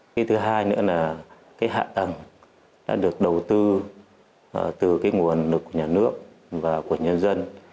cái thứ hai nữa là cái hạ tầng đã được đầu tư từ cái nguồn lực của nhà nước và của nhân dân